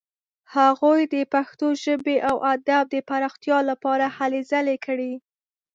هغوی د پښتو ژبې او ادب د پرمختیا لپاره هلې ځلې کړې.